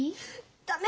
駄目。